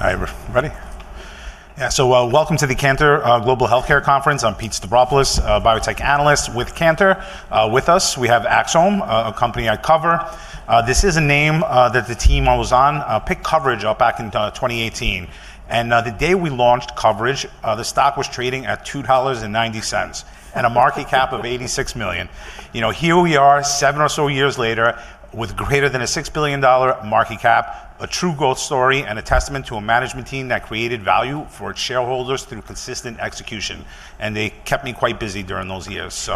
Hi, everybody. Yeah, so welcome to the Cantor Global Health Care Conference. I'm Pete Stavropoulos, a biotech analyst with Cantor. With us, we have Axsome, a company I cover. This is a name that the team I was on picked coverage on back in 2018. The day we launched coverage, the stock was trading at $2.90 and a market cap of $86 million. Here we are, seven or so years later, with greater than a $6 billion market cap, a true growth story, and a testament to a management team that created value for its shareholders through consistent execution. They kept me quite busy during those years.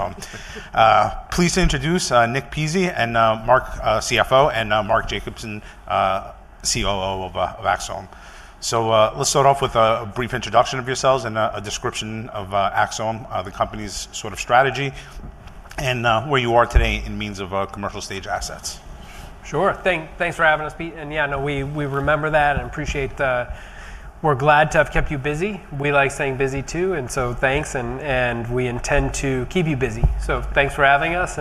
Please introduce Nick Pizzie, Chief Financial Officer, and Mark Jacobson, Chief Operating Officer of Axsome. Let's start off with a brief introduction of yourselves and a description of Axsome, the company's sort of strategy, and where you are today in means of commercial stage assets. Sure. Thanks for having us, Pete. We remember that and appreciate we're glad to have kept you busy. We like staying busy, too. Thanks. We intend to keep you busy. Thanks for having us.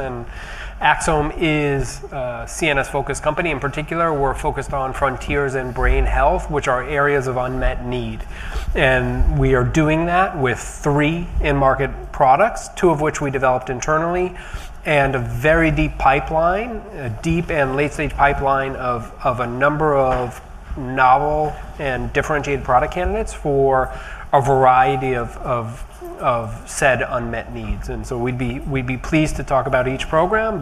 Axsome is a CNS-focused company. In particular, we're focused on frontiers in brain health, which are areas of unmet need. We are doing that with three in-market products, two of which we developed internally, and a very deep pipeline, a deep and late-stage pipeline of a number of novel and differentiated product candidates for a variety of said unmet needs. We'd be pleased to talk about each program.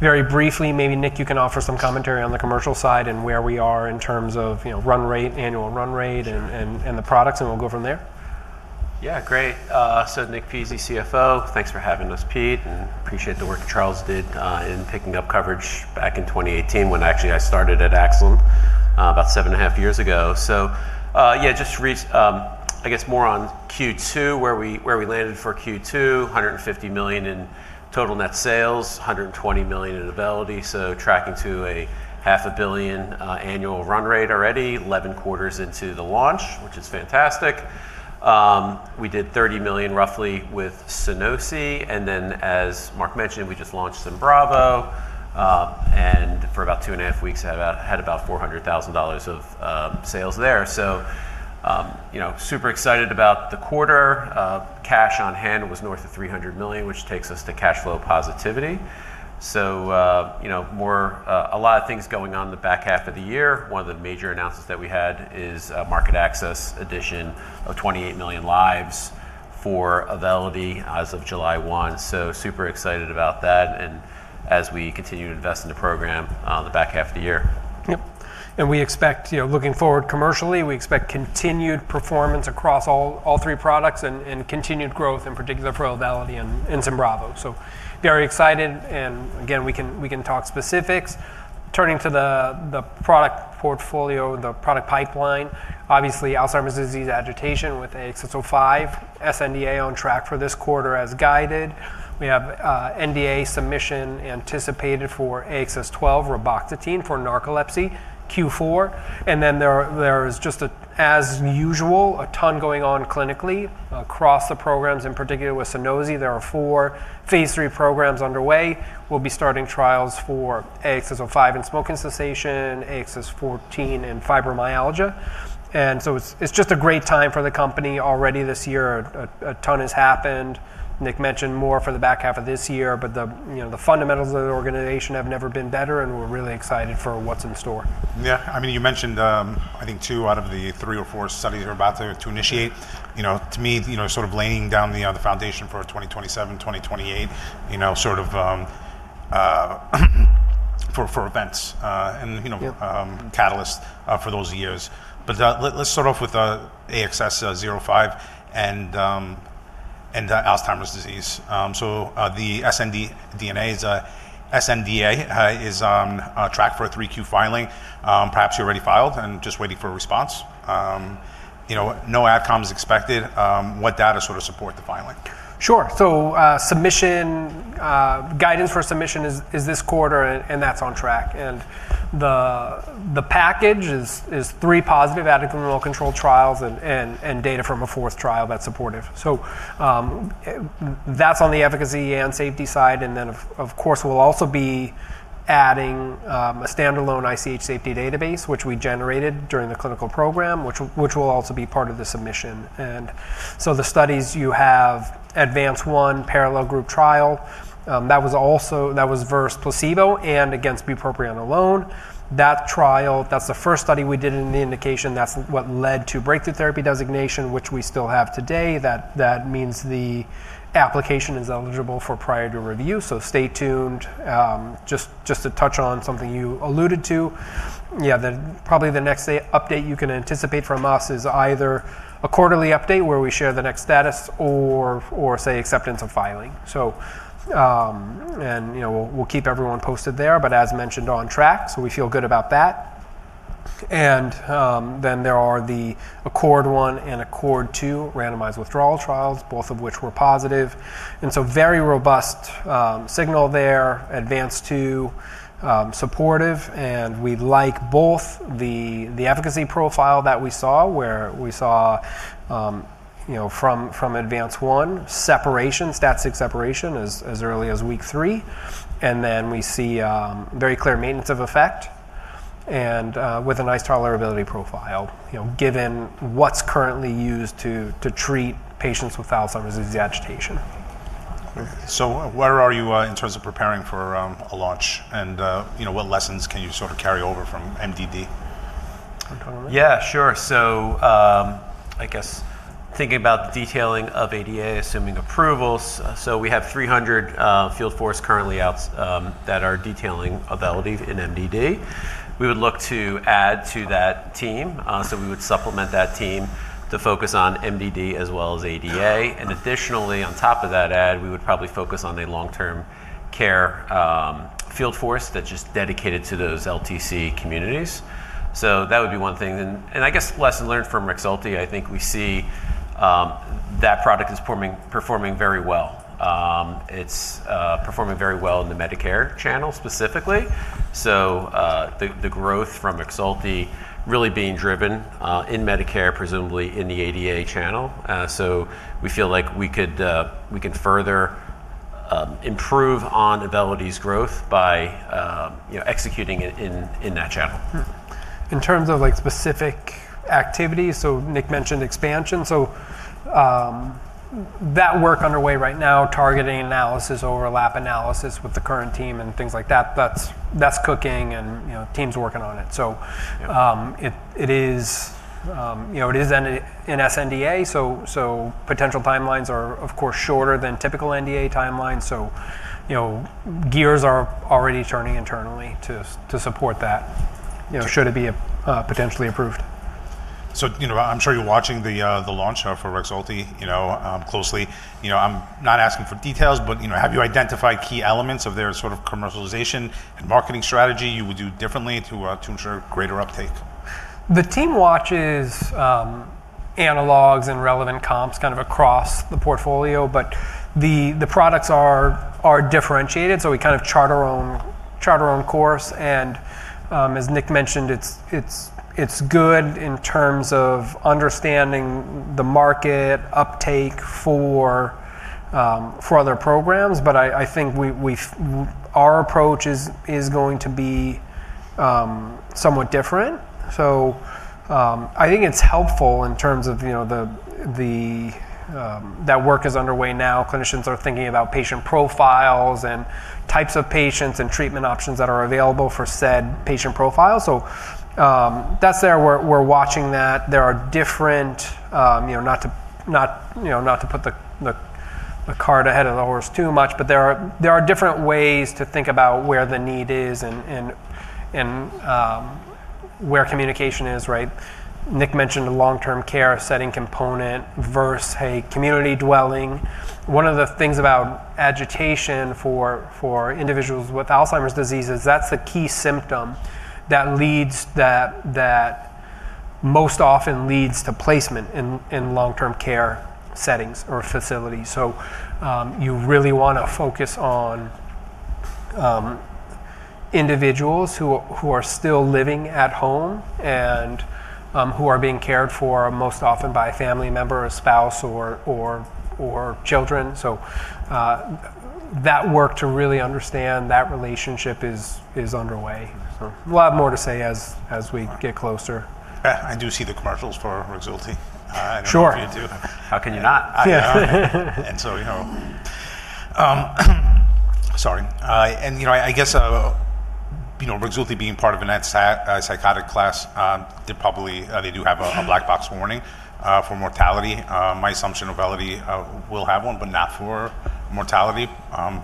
Very briefly, maybe Nick, you can offer some commentary on the commercial side and where we are in terms of run rate, annual run rate, and the products, and we'll go from there. Yeah, great. Nick Pizzie, CFO, thanks for having us, Pete, and appreciate the work Charles did in picking up coverage back in 2018 when actually I started at Axsome about seven and a half years ago. Just recent, I guess more on Q2, where we landed for Q2, $150 million in total net sales, $120 million in Auvelity, so tracking to a $500 m illion annual run rate already, 11 quarters into the launch, which is fantastic. We did $30 million roughly with Sunosi. As Mark mentioned, we just launched SYMBRAVO, and for about two and a half weeks, had about $400,000 of sales there. Super excited about the quarter. Cash on hand was north of $300 million, which takes us to cash flow positivity. A lot of things going on in the back half of the year. One of the major announcements that we had is a market access addition of 28 million lives for Auvelity as of July 1. Super excited about that as we continue to invest in the program in the back half of the year. We expect, looking forward commercially, continued performance across all three products and continued growth, in particular for Auvelity and SYMBRAVO. Very excited. We can talk specifics. Turning to the product portfolio and the product pipeline, obviously Alzheimer's disease agitation with AXS-05, sNDA on track for this quarter as guided. We have NDA submission anticipated for AXS- 12, reboxetine for narcolepsy, Q4. There is just, as usual, a ton going on clinically across the programs, in particular with Sunosi. There are four phase III programs underway. We'll be starting trials for AXS-05 in smoking cessation, AXS- 14 in fibromyalgia. It's just a great time for the company already this year. A ton has happened. Nick mentioned more for the back half of this year. The fundamentals of the organization have never been better. We're really excited for what's in store. Yeah, I mean, you mentioned, I think, two out of the three or four studies are about to initiate. To me, sort of laying down the foundation for 2027, 2028, sort of for events and catalysts for those years. Let's start off with AXS-05 and Alzheimer's disease. The sNDA is on track for a 3Q filing, perhaps you already filed and just waiting for a response. No outcomes expected. What data sort of support the filing? Sure. Submission guidance for submission is this quarter, and that's on track. The package is three positive adequate and well-controlled trials and data from a fourth trial that's supportive. That's on the efficacy and safety side. Of course, we'll also be adding a standalone ICH safety database, which we generated during the clinical program, which will also be part of the submission. The studies you have: ADVANCE-1, parallel group trial. That was versus placebo and against bupropion alone. That trial is the first study we did in the indication. That's what led to breakthrough therapy designation, which we still have today. That means the application is eligible for priority review. Stay tuned. Just to touch on something you alluded to, probably the next update you can anticipate from us is either a quarterly update where we share the next status or, say, acceptance of filing. You know, we'll keep everyone posted there. As mentioned, on track. We feel good about that. There are the ACORD I and ACORD II randomized withdrawal trials, both of which were positive. Very robust signal there. ADVANCE-2 supportive. We like both the efficacy profile that we saw, where we saw from ADVANCE-1 separation, stat-sig separation as early as week three. We see very clear maintenance of effect and with a nice tolerability profile, given what's currently used to treat patients with Alzheimer's disease agitation. Where are you in terms of preparing for a launch? What lessons can you sort of carry over from MDD? Yeah, sure. I guess thinking about the detailing of ADA, assuming approvals, we have 300 field force currently out that are detailing Auvelity in MDD. We would look to add to that team. We would supplement that team to focus on MDD as well as ADA. Additionally, on top of that, we would probably focus on the long-term care field force that's just dedicated to those LTC communities. That would be one thing. I guess lessons learned from REXULTI, I think we see that product is performing very well. It's performing very well in the Medicare channel specifically. The growth from REXULTI is really being driven in Medicare, presumably in the ADA channel. We feel like we could further improve on Auvelity's growth by executing it in that channel. In terms of specific activities, Nick mentioned expansion. That work is underway right now, targeting analysis, overlap analysis with the current team and things like that, that's cooking, and teams are working on it. It is in sNDA, so potential timelines are, of course, shorter than typical NDA timelines. Gears are already turning internally to support that, should it be potentially approved. I'm sure you're watching the launch for REXULTI closely. I'm not asking for details, but have you identified key elements of their sort of commercialization and marketing strategy you would do differently to ensure greater uptake? The team watches analogs and relevant comps across the portfolio, but the products are differentiated. We chart our own course, and as Nick mentioned, it's good in terms of understanding the market uptake for other programs. I think our approach is going to be somewhat different. It's helpful in terms of that work, which is underway now. Clinicians are thinking about patient profiles and types of patients and treatment options that are available for said patient profiles. That's there, we're watching that. There are different, not to put the cart ahead of the horse too much, but there are different ways to think about where the need is and where communication is, right? Nick mentioned a long-term care setting component versus, hey, community dwelling. One of the things about agitation for individuals with Alzheimer's disease is that's a key symptom that most often leads to placement in long-term care settings or facilities. You really want to focus on individuals who are still living at home and who are being cared for most often by a family member, a spouse, or children. That work to really understand that relationship is underway. A lot more to say as we get closer. I do see the commercials for REXULTI. Sure. How can you not? You know, I guess REXULTI being part of an antipsychotic class, they probably do have a black box warning for mortality. My assumption is Auvelity will have one, but not for mortality,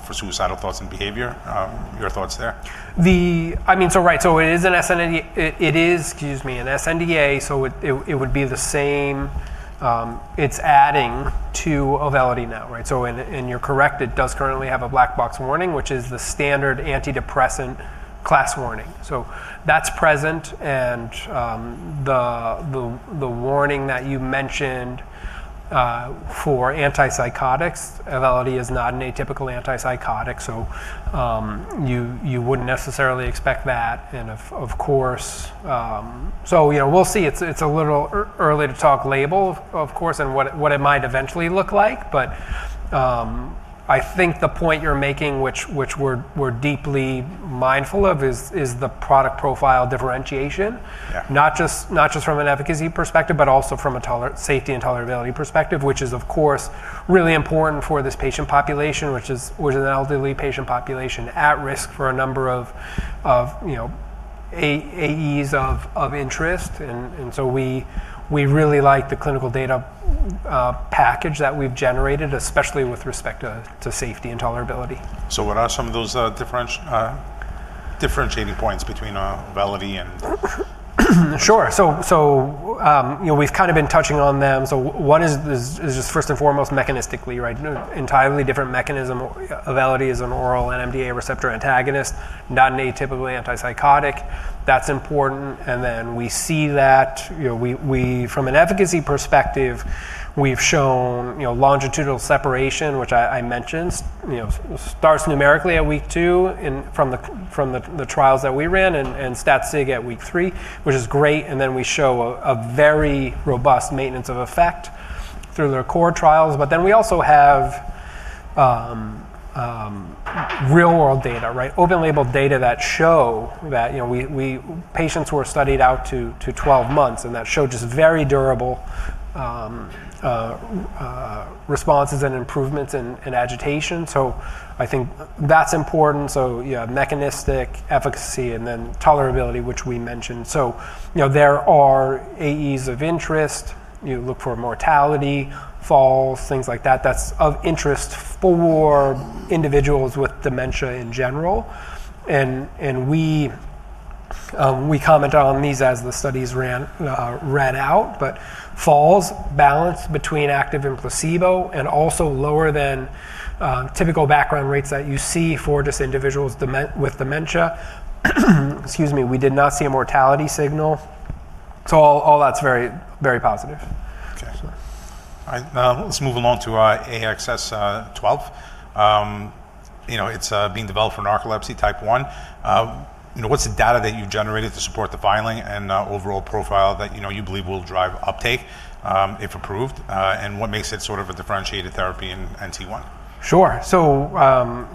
for suicidal thoughts and behavior. Your thoughts there? It is an sNDA. It would be the same. It's adding to Auvelity now, right? You're correct. It does currently have a black box warning, which is the standard antidepressant class warning. That's present. The warning that you mentioned for antipsychotics, Auvelity is not an atypical antipsychotic, so you wouldn't necessarily expect that. Of course, we'll see. It's a little early to talk label, of course, and what it might eventually look like. I think the point you're making, which we're deeply mindful of, is the product profile differentiation, not just from an efficacy perspective, but also from a safety and tolerability perspective, which is really important for this patient population, which is an elderly patient population at risk for a number of AEs of interest. We really like the clinical data package that we've generated, especially with respect to safety and tolerability. What are some of those differentiating points between Auvelity and? Sure. So you know, we've kind of been touching on them. One is just first and foremost mechanistically, right? Entirely different mechanism. Auvelity is an oral NMDA receptor antagonist, not an atypical antipsychotic. That's important. We see that, you know, from an efficacy perspective, we've shown longitudinal separation, which I mentioned, starts numerically at week two from the trials that we ran and is statistically significant at week three, which is great. We show a very robust maintenance of effect through the core trials. We also have real-world data, right? Open-label data that show that patients were studied out to 12 months. That showed just very durable responses and improvements in agitation. I think that's important. Mechanistic efficacy and then tolerability, which we mentioned. There are AEs of interest. You look for mortality, falls, things like that. That's of interest for individuals with dementia in general. We comment on these as the studies ran out. Falls, balance between active and placebo, and also lower than typical background rates that you see for just individuals with dementia. Excuse me, we did not see a mortality signal. All that's very, very positive. Let's move along to AXS- 12. You know, it's being developed for narcolepsy type 1. What's the data that you've generated to support the filing and overall profile that you believe will drive uptake if approved? What makes it sort of a differentiated therapy in NT1? Sure.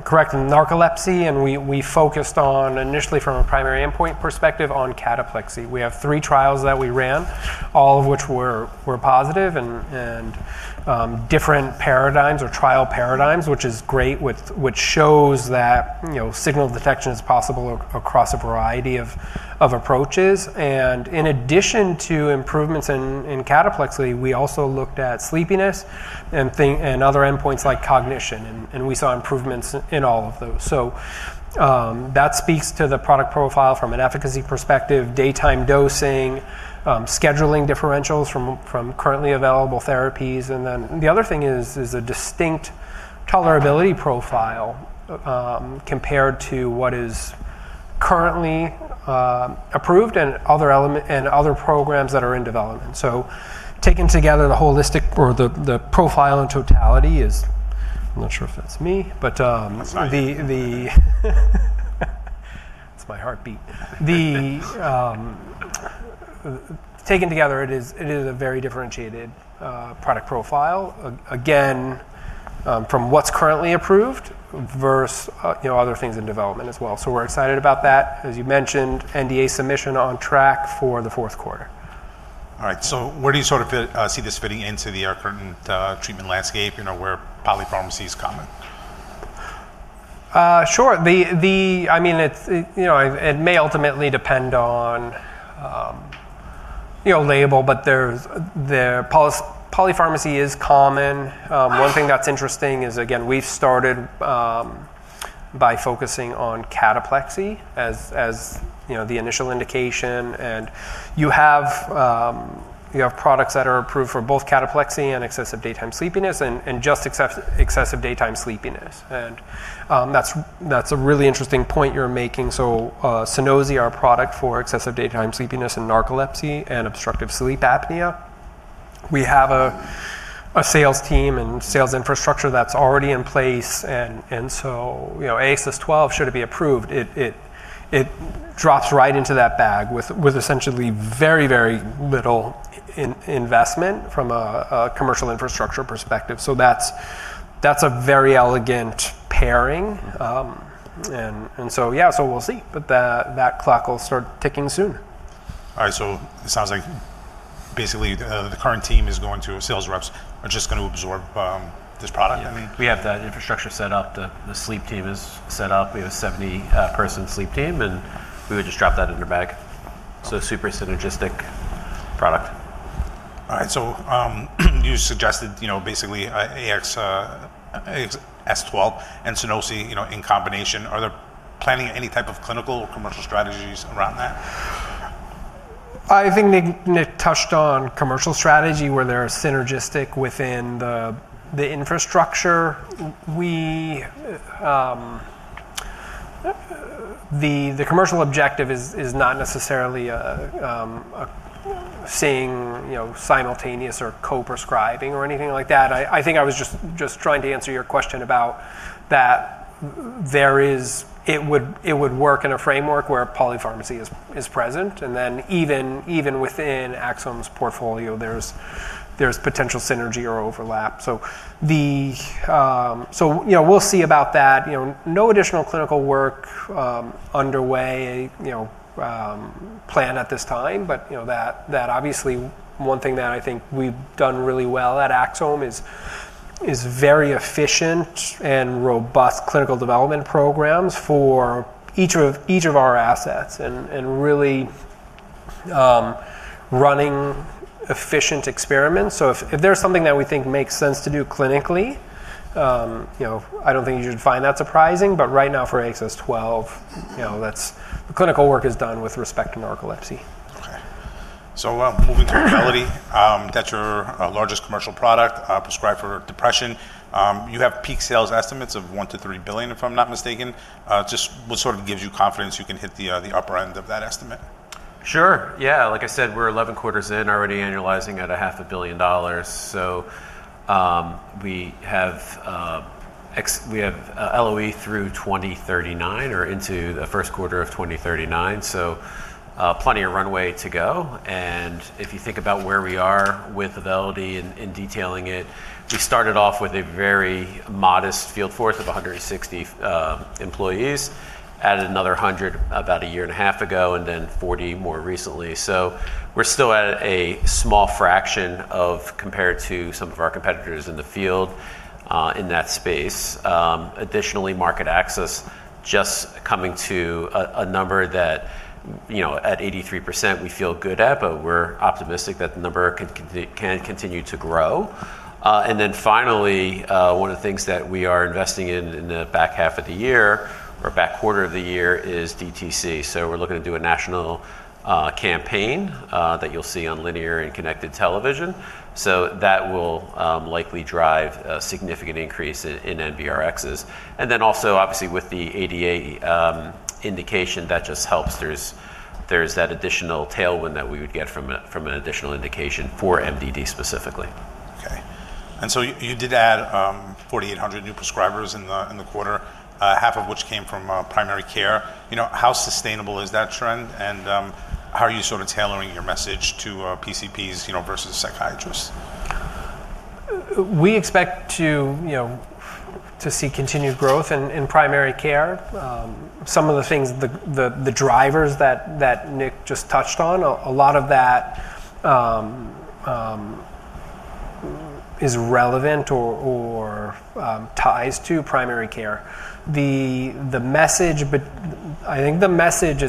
Correct, in narcolepsy. We focused on, initially, from a primary endpoint perspective, on cataplexy. We have three trials that we ran, all of which were positive and different paradigms or trial paradigms, which is great, which shows that signal detection is possible across a variety of approaches. In addition to improvements in cataplexy, we also looked at sleepiness and other endpoints like cognition. We saw improvements in all of those. That speaks to the product profile from an efficacy perspective, daytime dosing, scheduling differentials from currently available therapies. The other thing is a distinct tolerability profile compared to what is currently approved and other programs that are in development. Taken together, the holistic or the profile in totality is—I'm not sure if that's me. It's my heartbeat. Taken together, it is a very differentiated product profile, again, from what's currently approved versus other things in development as well. We're excited about that. As you mentioned, NDA submission on track for the fourth quarter. All right. Where do you sort of see this fitting into the current treatment landscape, you know, where polypharmacy is coming? Sure. I mean, it may ultimately depend on label. Polypharmacy is common. One thing that's interesting is, again, we've started by focusing on cataplexy as the initial indication. You have products that are approved for both cataplexy and excessive daytime sleepiness and just excessive daytime sleepiness. That's a really interesting point you're making. Sunosi, our product for excessive daytime sleepiness in narcolepsy and obstructive sleep apnea, has a sales team and sales infrastructure that's already in place. AXS- 12, should it be approved, drops right into that bag with essentially very, very little investment from a commercial infrastructure perspective. That's a very elegant pairing. We'll see. That clock will start ticking soon. All right. It sounds like basically the current team is going to, sales reps are just going to absorb this product. We have that infrastructure set up. The sleep team is set up. We have a 70-person sleep team, and we would just drop that in their bag. Super synergistic product. All right. You suggested, you know, basically AXS- 12 and Sunosi in combination. Are they planning any type of clinical or commercial strategies around that? I think Nick touched on commercial strategy where they're synergistic within the infrastructure. The commercial objective is not necessarily seeing simultaneous or co-prescribing or anything like that. I think I was just trying to answer your question about that. It would work in a framework where polypharmacy is present. Even within Axsome 's portfolio, there's potential synergy or overlap. We'll see about that. No additional clinical work is underway or planned at this time. That obviously, one thing that I think we've done really well at Axsome is very efficient and robust clinical development programs for each of our assets and really running efficient experiments. If there's something that we think makes sense to do clinically, I don't think you'd find that surprising. Right now for AXS- 12, the clinical work is done with respect to narcolepsy. OK. Moving to Auvelity, that's your largest commercial product prescribed for depression. You have peak sales estimates of $1 billion- $3 billion, if I'm not mistaken. What sort of gives you confidence you can hit the upper end of that estimate? Sure. Yeah, like I said, we're 11 quarters in, already annualizing at $500 million. We have LOE through 2039 or into the first quarter of 2039, so plenty of runway to go. If you think about where we are with availability in detailing it, we started off with a very modest field force of 160 employees, added another 100 about a year and a half ago, and then 40 more recently. We're still at a small fraction compared to some of our competitors in the field in that space. Additionally, market access just coming to a number that, you know, at 83%, we feel good at. We're optimistic that the number can continue to grow. Finally, one of the things that we are investing in in the back half of the year or back quarter of the year is DTC. We're looking to do a national campaign that you'll see on linear and connected television. That will likely drive a significant increase in NBRXs. Also, obviously, with the ADA indication, that just helps. There's that additional tailwind that we would get from an additional indication for MDD specifically. OK. You did add 4,800 new prescribers in the quarter, half of which came from primary care. How sustainable is that trend? How are you sort of tailoring your message to PCPs versus psychiatrists? We expect to see continued growth in primary care. Some of the things, the drivers that Nick just touched on, a lot of that is relevant or ties to primary care. The message, I think the message,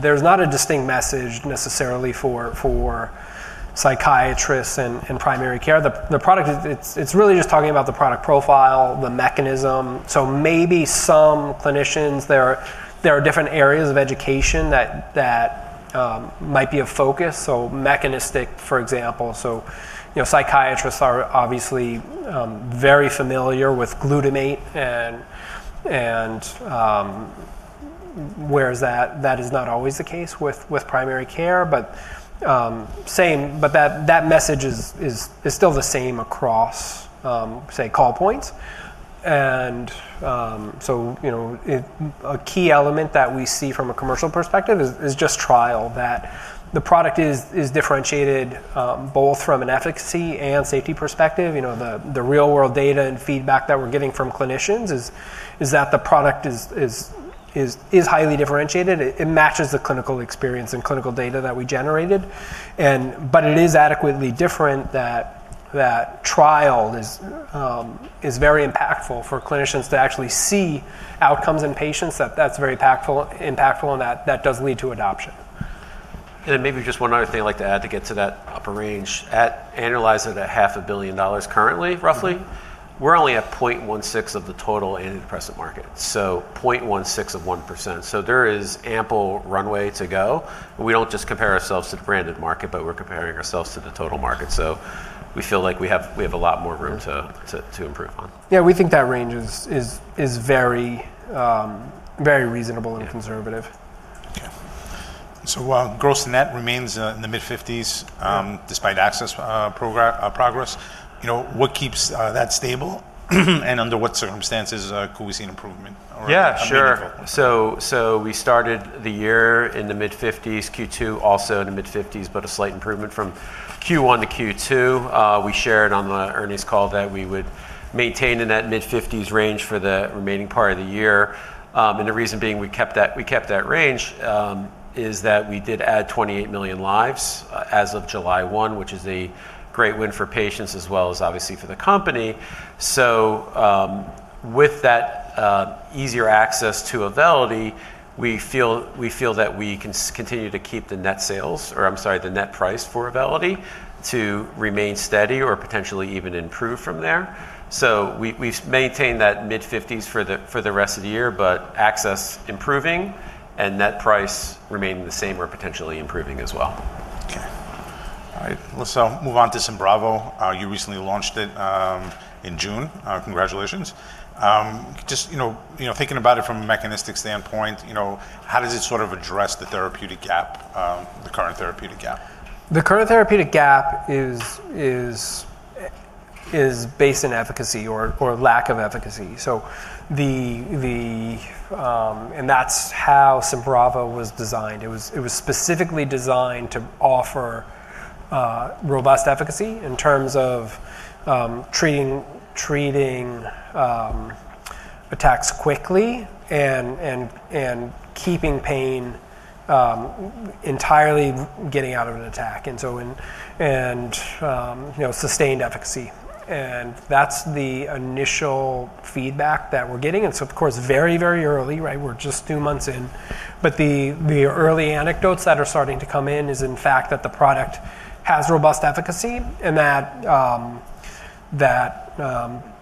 there's not a distinct message necessarily for psychiatrists and primary care. The product, it's really just talking about the product profile, the mechanism. Maybe some clinicians, there are different areas of education that might be of focus. Mechanistic, for example. Psychiatrists are obviously very familiar with glutamate, whereas that is not always the case with primary care. That message is still the same across, say, call points. A key element that we see from a commercial perspective is just trial that the product is differentiated both from an efficacy and safety perspective. The real-world data and feedback that we're getting from clinicians is that the product is highly differentiated. It matches the clinical experience and clinical data that we generated. It is adequately different that trial is very impactful for clinicians to actually see outcomes in patients. That's very impactful, and that does lead to adoption. One other thing I'd like to add to get to that upper range. Annualized at $500 million currently, roughly. We're only at 0.16% of the total antidepressant market, so 0.16% of 1%. There is ample runway to go. We don't just compare ourselves to the branded market, we're comparing ourselves to the total market. We feel like we have a lot more room to improve on. Yeah, we think that range is very reasonable and conservative. Gross net remains in the mid-50% despite access progress. What keeps that stable, and under what circumstances could we see an improvement? Yeah, sure. We started the year in the mid-50s, Q2 also in the mid-50s, with a slight improvement from Q1 to Q2. We shared on the earnings call that we would maintain in that mid-50s range for the remaining part of the year. The reason we kept that range is that we did add 28 million lives as of July 1, which is a great win for patients as well as, obviously, for the company. With that easier access to availability, we feel that we can continue to keep the net sales, or I'm sorry, the net price for availability to remain steady or potentially even improve from there. We've maintained that mid-50s for the rest of the year, with access improving and net price remaining the same or potentially improving as well. OK. All right. Let's move on to SYMBRAVO. You recently launched it in June. Congratulations. Just thinking about it from a mechanistic standpoint, you know, how does it sort of address the therapeutic gap, the current therapeutic gap? The current therapeutic gap is based in efficacy or lack of efficacy. That's how SYMBRAVO was designed. It was specifically designed to offer robust efficacy in terms of treating attacks quickly and keeping pain entirely, getting out of an attack, and sustained efficacy. That's the initial feedback that we're getting. Of course, very, very early, right? We're just two months in. The early anecdotes that are starting to come in is, in fact, that the product has robust efficacy and that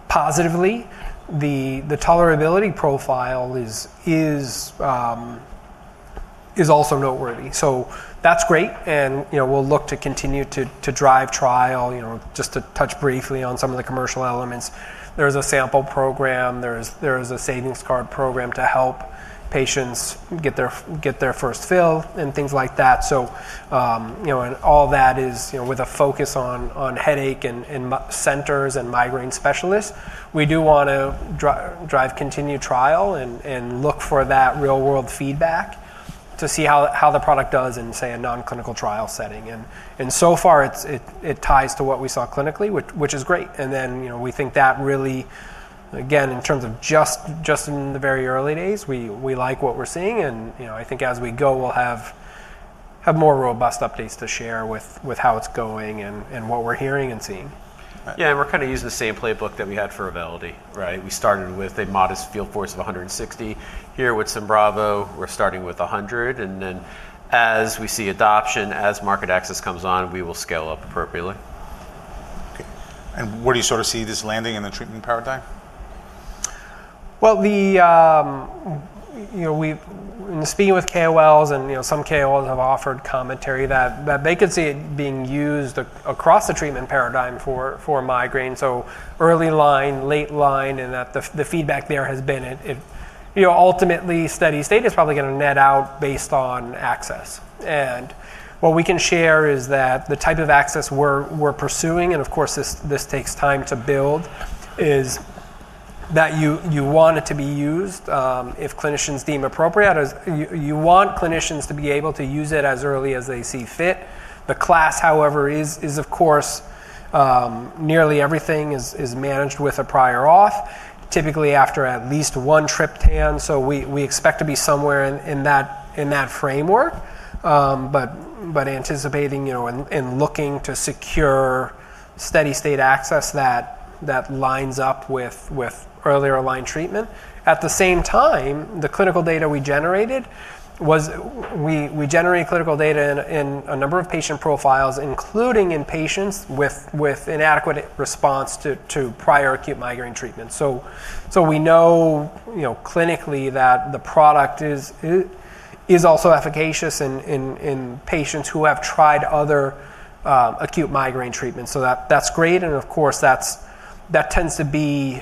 positively the tolerability profile is also noteworthy. That's great. We'll look to continue to drive trial. Just to touch briefly on some of the commercial elements, there's a sample program, there's a savings card program to help patients get their first fill, and things like that. All that is with a focus on headache centers and migraine specialists. We do want to drive continued trial and look for that real-world feedback to see how the product does in, say, a non-clinical trial setting. So far, it ties to what we saw clinically, which is great. We think that really, again, in terms of just in the very early days, we like what we're seeing. I think as we go, we'll have more robust updates to share with how it's going and what we're hearing and seeing. Yeah, and we're kind of using the same playbook that we had for Auvelity, right? We started with a modest field force of 160. Here with SYMBRAVO, we're starting with 100, and as we see adoption, as market access comes on, we will scale up appropriately. OK. Where do you sort of see this landing in the treatment paradigm? In speaking with KOLs, and some KOLs have offered commentary that they could see it being used across the treatment paradigm for migraine. Early line, late line, and the feedback there has been it, you know, ultimately steady state is probably going to net out based on access. What we can share is that the type of access we're pursuing, and of course, this takes time to build, is that you want it to be used if clinicians deem appropriate. You want clinicians to be able to use it as early as they see fit. The class, however, is, of course, nearly everything is managed with a prior auth, typically after at least one triptan. We expect to be somewhere in that framework, but anticipating and looking to secure steady state access that lines up with earlier line treatment. At the same time, the clinical data we generated was we generated clinical data in a number of patient profiles, including in patients with inadequate response to prior acute migraine treatments. We know clinically that the product is also efficacious in patients who have tried other acute migraine treatments. That's great. Of course, that tends to be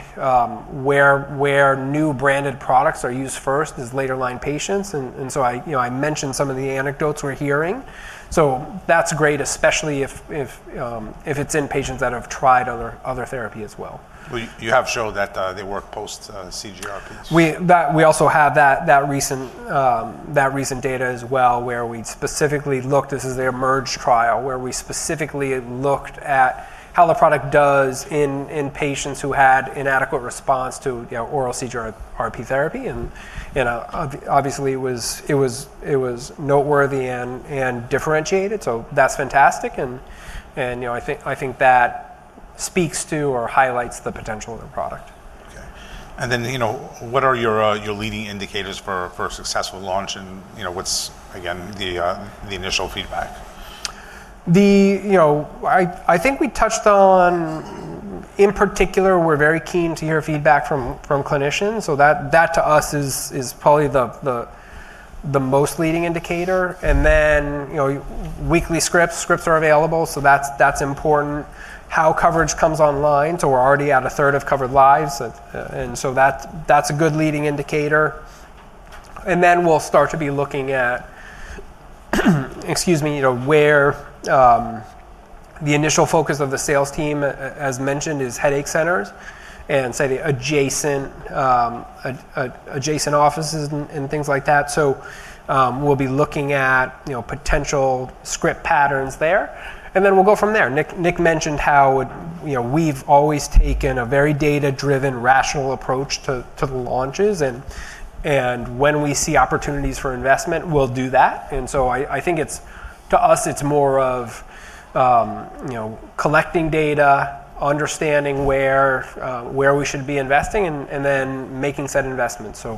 where new branded products are used first is later line patients. I mentioned some of the anecdotes we're hearing. That's great, especially if it's in patients that have tried other therapy as well. You have shown that they work post-CGRP. We also have that recent data as well, where we specifically looked at their MERGE trial, where we specifically looked at how the product does in patients who had inadequate response to oral CGRP therapy. It was noteworthy and differentiated. That's fantastic, and I think that speaks to or highlights the potential of the product. OK. What are your leading indicators for a successful launch? What's the initial feedback? I think we touched on, in particular, we're very keen to hear feedback from clinicians. That, to us, is probably the most leading indicator. Weekly scripts are available, so that's important. How coverage comes online is also important. We're already at a third of covered lives, and that's a good leading indicator. We will start to be looking at where the initial focus of the sales team, as mentioned, is headache centers and the adjacent offices and things like that. We will be looking at potential script patterns there, and then we'll go from there. Nick mentioned how we've always taken a very data-driven, rational approach to the launches. When we see opportunities for investment, we'll do that. I think, to us, it's more of collecting data, understanding where we should be investing, and then making said investments. So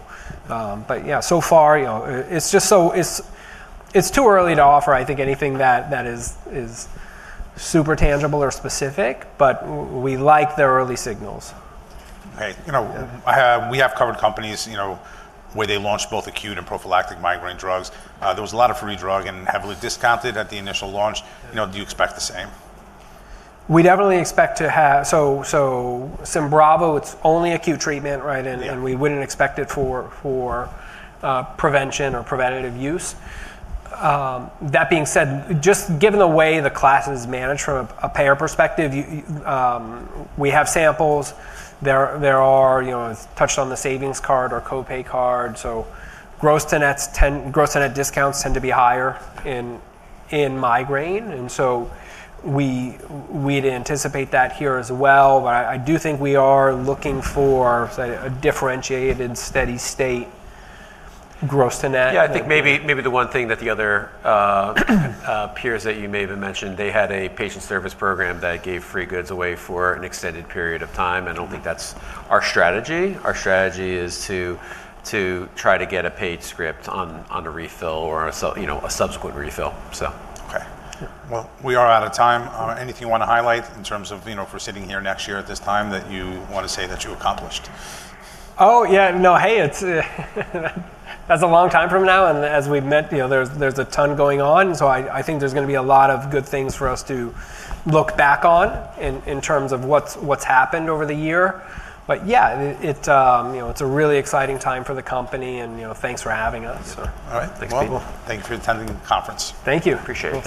far, it's just too early to offer, I think, anything that is super tangible or specific. We like the early signals. Right. We have covered companies where they launch both acute and prophylactic migraine drugs. There was a lot of free drug and heavily discounted at the initial launch. Do you expect the same? We definitely expect to have, so SYMBRAVO, it's only acute treatment, right? We wouldn't expect it for prevention or preventative use. That being said, just given the way the class is managed from a payer perspective, we have samples. There are, you know, touched on the savings card or copay card. Gross and net discounts tend to be higher in migraine, and we'd anticipate that here as well. I do think we are looking for a differentiated, steady state gross and net. Yeah, I think maybe the one thing that the other peers that you may have mentioned, they had a patient service program that gave free goods away for an extended period of time. I don't think that's our strategy. Our strategy is to try to get a paid script on a refill or a subsequent refill. OK. Are there any highlights you want to mention in terms of, you know, if we're sitting here next year at this time that you want to say that you accomplished? Oh, yeah. No, hey, that's a long time from now. As we've met, you know, there's a ton going on. I think there's going to be a lot of good things for us to look back on in terms of what's happened over the year. Yeah, it's a really exciting time for the company. Thanks for having us. All right. Thanks, Pete. Thanks for attending the conference. Thank you. Appreciate it.